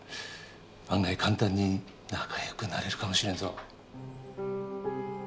案外簡単に仲よくなれるかもしれんぞ。